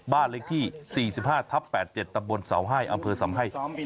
บ้านเลขที่๔๕ทับ๘๗ตำบลเสาไห้อำเภอสำไห้